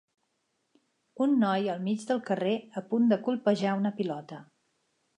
Un noi al mig del carrer a punt de colpejar una pilota.